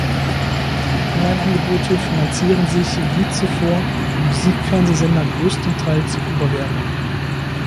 Die Onlineangebote finanzieren sich wie zuvor die Musikfernsehsender größtenteils über Werbung.